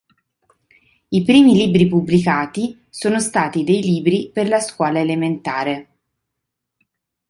I primi libri pubblicati sono stati dei libri per la scuola elementare.